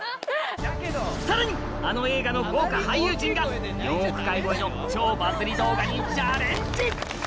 さらにあの映画の豪華俳優陣が４億回超えの超バズり動画にチャレンジ！